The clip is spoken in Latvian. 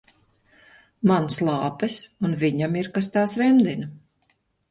Man slāpes un viņam ir kas tās remdina.